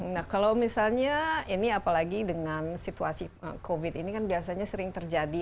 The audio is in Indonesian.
nah kalau misalnya ini apalagi dengan situasi covid ini kan biasanya sering terjadi